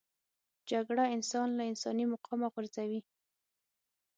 جګړه انسان له انساني مقامه غورځوي